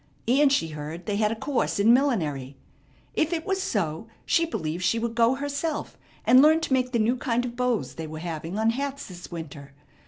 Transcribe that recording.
And she heard they had a course in millinery. If it was so, she believed she would go herself, and learn to make the new kind of bows they were having on hats this winter.